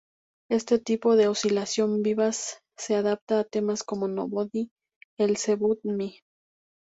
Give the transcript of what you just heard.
Este tipo de oscilación vivaz se adapta a temas como "Nobody Else But Me".